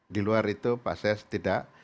di luar itu pak ses tidak